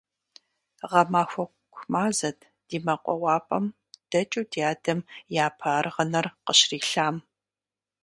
Гъэмахуэку мазэт ди мэкъуауапӀэм дэкӀыу дядэм япэ аргъынэр къыщрилъам.